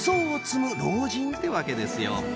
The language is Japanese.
ってわけですよ。